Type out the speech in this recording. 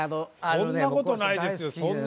そんなことないです。